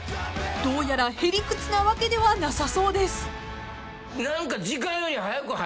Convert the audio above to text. ［どうやらへりくつなわけではなさそうです］